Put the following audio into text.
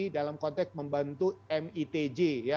dalam konteks membantu mitj